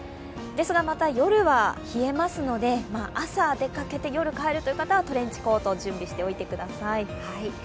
ですがまた、夜は冷えますので朝出かけて夜帰るという方はトレンチコートを準備しておいてください。